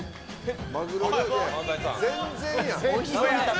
全然やん。